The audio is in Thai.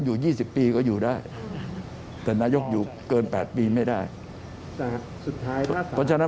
อยู่๒๐ปีก็อยู่ได้แต่นายกอยู่เกิน๘ปีไม่ได้สุดท้ายเพราะฉะนั้น